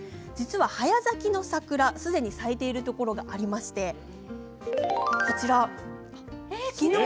早咲きの桜が咲いているところがありましてきれい。